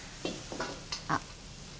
あっ。